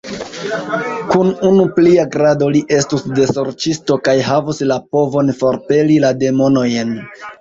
Kun unu plia grado, li estus desorĉisto kaj havus la povon forpeli la demonojn!